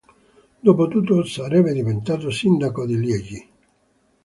Dopotutto, sarebbe diventato sindaco di Liegi.